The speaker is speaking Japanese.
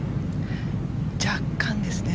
若干ですね。